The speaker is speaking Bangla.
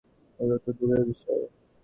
আগ্রহ তো দূরের বিষয়।